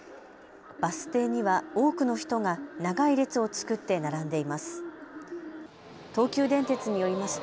バス停には多くの人が長い列を作って並んでいます。